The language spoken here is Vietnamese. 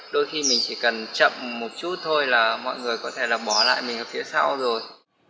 đôi khi mình chỉ cần chậm một chút thôi là mọi người có thể là bỏ lại mình ở phía sau rồi